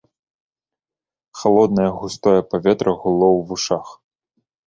Халоднае густое паветра гуло ў вушах.